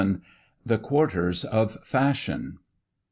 The Quarters of Fashion.